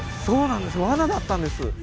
そうなんです罠だったんです